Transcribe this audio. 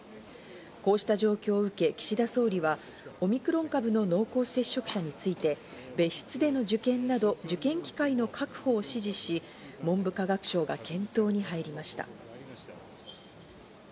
こうした状況を受け、岸田総理はオミクロン株の濃厚接触者について、別室での受験など、受験機会の確保を指示し、文部科学省が検討に入りました。